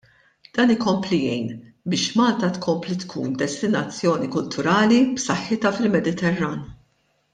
Dan ikompli jgħin biex Malta tkompli tkun destinazzjoni kulturali b'saħħitha fil-Mediterran.